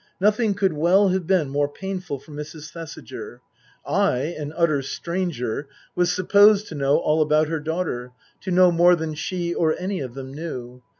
Nothing could well have been more painful for Mrs. Thesiger. I, an utter stranger, was supposed to know all about her daughter, to know more than she or any of them knew.